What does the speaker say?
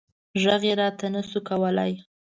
غږ یې راته نه شو کولی.